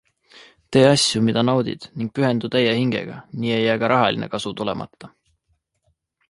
Tee asju, mida naudid, ning pühendu täie hingega - nii ei jää ka rahaline kasu tulemata.